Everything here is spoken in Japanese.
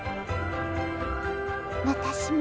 私も。